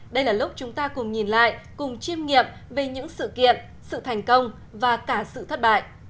đây là lúc chúng ta cùng nhìn lại cùng chiêm nghiệm về những sự kiện sự thành công và cả sự thất bại